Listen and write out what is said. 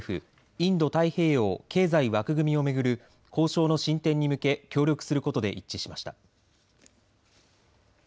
インド太平洋経済枠組みを巡る交渉の進展に向け協力することで一致しました。